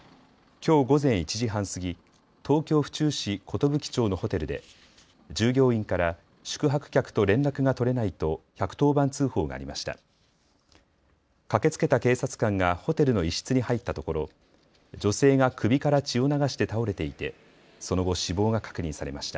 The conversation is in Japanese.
きょう午前１時半過ぎ東京府中市寿町のホテルで従業員から宿泊客と連絡が取れないと１１０番通報がありました。